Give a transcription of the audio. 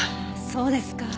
そうですか。